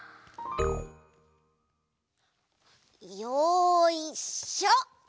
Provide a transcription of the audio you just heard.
よいしょ！